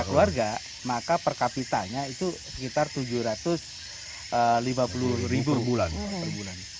keluarga maka per kapitanya itu sekitar tujuh ratus lima puluh ribu per bulan